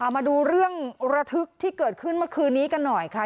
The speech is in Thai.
มาดูเรื่องระทึกที่เกิดขึ้นเมื่อคืนนี้กันหน่อยค่ะ